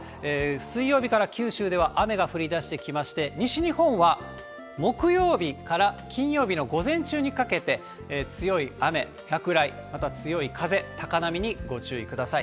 水曜日から九州では雨が降りだしてきまして、西日本は木曜日から金曜日の午前中にかけて強い雨、落雷、また強い風、高波にご注意ください。